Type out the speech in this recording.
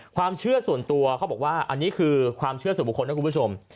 ความเชื่อส่วนตัวเขาบอกว่าอันนี้คือความเชื่อสู่บุคคลนะคุณผู้ชม